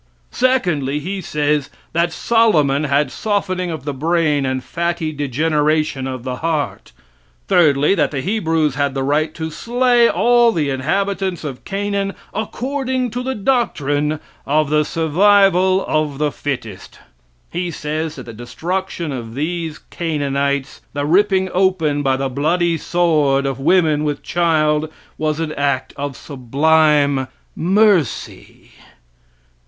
Secondly, he says that Solomon had softening of the brain and fatty degeneration of the heart; thirdly, that the Hebrews had the right to slay all the inhabitants of Canaan according to the doctrine of the survival of the fittest. He says that the destruction of these Canaanites, the ripping open by the bloody sword of women with child was an act of sublime mercy.